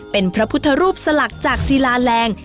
เป็นพระพุทธรูปสลักจากศิลาแรง